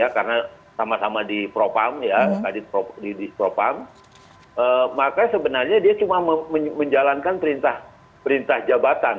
karena sama sama di propam maka sebenarnya dia cuma menjalankan perintah jabatan